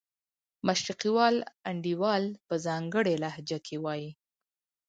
مشرقي وال انډیوال په ځانګړې لهجه کې وایي.